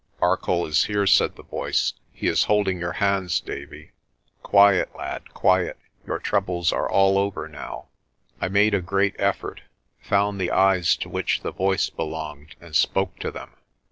"Arcoll is here," said the voice ; "he is holding your hands, Davie. Quiet, lad, quiet. Your troubles are all over now." I made a great effort, found the eyes to which the voice belonged, and spoke to them.